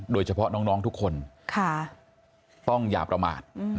โดยเฉพาะน้องน้องทุกคนค่ะต้องอย่าประมาทอืม